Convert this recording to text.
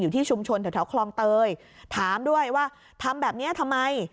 ที่ชุมชนแถวคลองเตยถามด้วยว่าทำแบบนี้ทำไม